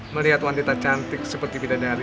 melihat wanita cantik seperti bidadari